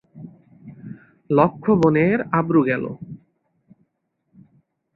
লক্ষ বোনের আব্রু গেলো